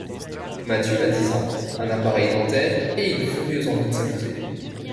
Mathieu a dix ans, un appareil dentaire et une furieuse envie de s’amuser.